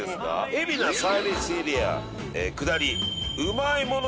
海老名サービスエリア下りうまいもの